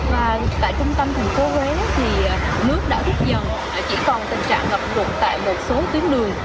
và tại trung tâm thành phố huế thì nước đã rút dần chỉ còn tình trạng ngập rụt tại một số tuyến đường